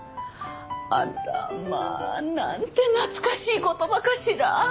あらまあなんて懐かしい言葉かしら。